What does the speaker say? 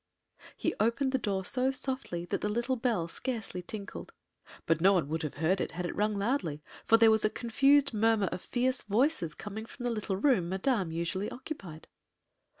He opened the door so softly that the little bell scarcely tinkled. But no one would have heard it had it rung loudly, for there was a confused murmur of fierce voices coming from the little room Madame usually occupied.